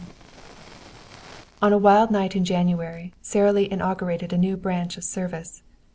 XXX On a wild night in January Sara Lee inaugurated a new branch of service.